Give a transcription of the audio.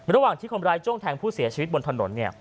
ระหว่างที่คนร้ายจ้วงแทงผู้เสียชีวิตบนถนนเนี่ย